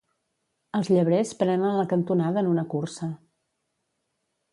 Els llebrers prenen la cantonada en una cursa.